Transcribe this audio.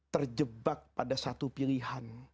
terjebak pada satu pilihan